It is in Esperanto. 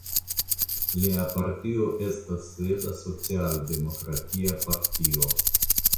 Lia partio estas Sveda socialdemokratia partio.